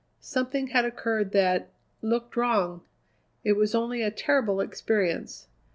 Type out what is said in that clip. Something had occurred that looked wrong. It was only a terrible experience.